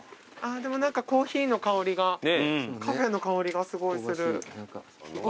でも何かコーヒーの香りがカフェの香りがすごいする。